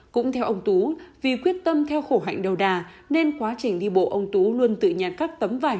cũng theo ông tú vì quyết tâm theo khổ hạnh đầu đà nên quá trình đi bộ ông tú luôn tự nhặt các tấm vải